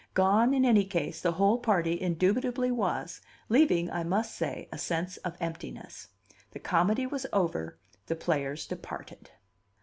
Gone, in any case, the whole party indubitably was, leaving, I must say, a sense of emptiness: the comedy was over, the players departed.